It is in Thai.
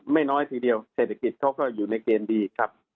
ไม่น้อยทีเดียวเศรษฐกิจเขาก็อยู่ในเกณฑ์ดีครับ